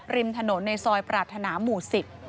ริมถนนในซอยปรารถนาหมู่สิบ